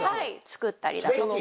作ったりだとか。